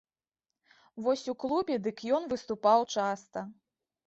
Вось у клубе дык ён выступаў часта.